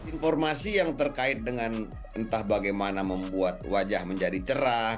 informasi yang terkait dengan entah bagaimana membuat wajah menjadi cerah